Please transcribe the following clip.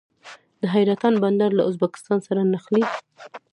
د حیرتان بندر له ازبکستان سره نښلي